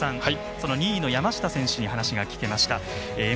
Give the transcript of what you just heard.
２位の山下選手に話が聞けました。